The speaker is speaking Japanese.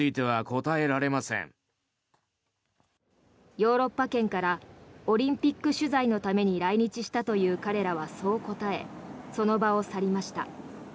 ヨーロッパ圏からオリンピック取材のために来日したという彼らはそう答えその場を去りました。